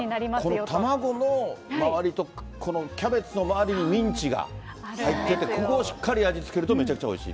この卵の周りと、このキャベツの周りにミンチが入ってて、ここをしっかり味付けると、めちゃくちゃおいしいと。